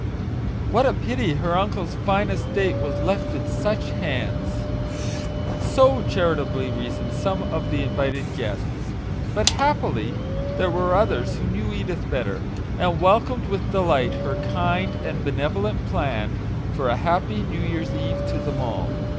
What a pity her uncle's fine estate was left in such hands I" So charitably reasoned some of the invited guests ; but, happily, there were others who knew Edith better, and welcomed with delight her kind and benevolent plan for a happy new year's eve to them all.